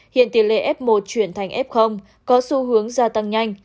hiện tỷ lệ f một chuyển thành f có xu hướng gia tăng nhanh